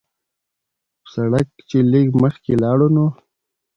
پۀ سړک چې لږ مخکښې لاړو نو